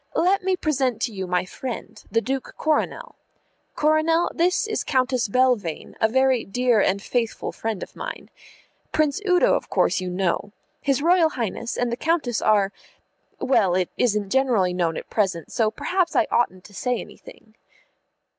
"Let me present to you my friend, the Duke Coronel. Coronel, this is Countess Belvane, a very dear and faithful friend of mine. Prince Udo, of course, you know. His Royal Highness and the Countess are well, it isn't generally known at present, so perhaps I oughtn't to say anything."